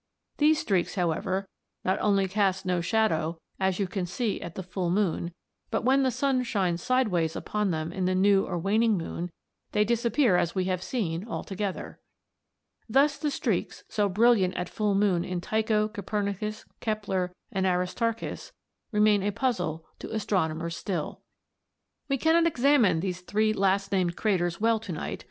These streaks, however, not only cast no shadow, as you can see at the full moon but when the sun shines sideways upon them in the new or waning moon they disappear as we have seen altogether. Thus the streaks, so brilliant at full moon in Tycho, Copernicus, Kepler, and Aristarchus, remain a puzzle to astronomers still." [Illustration: Fig.